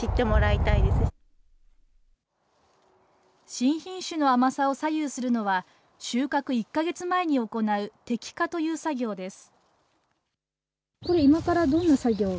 新品種の甘さを左右するのは、収穫１か月前に行う摘果という作業です。